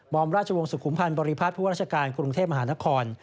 อมราชวงศุมพันธ์บริพัฒน์ผู้ว่าราชการกรุงเทพมหานคร